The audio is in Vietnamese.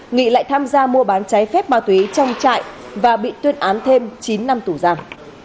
nghị lại tham gia mua bán trái phép ma túy trong trại và bị tuyên án thêm chín năm tù giam